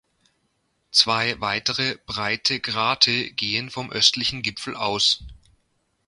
Zwei weitere breite Grate gehen vom östlichen Gipfel aus.